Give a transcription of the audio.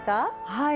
はい。